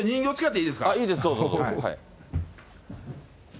いいです、どうぞ、どうぞ。